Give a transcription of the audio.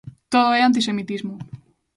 Todo é antisemitismo.